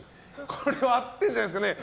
これは合ってるんじゃないですかね。